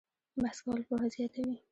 بحث کول پوهه زیاتوي